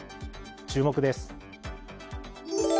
注目です。